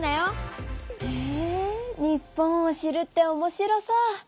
へえ日本を知るっておもしろそう。